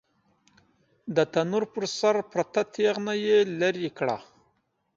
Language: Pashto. د تنور پر سر پرته تېغنه يې ليرې کړه.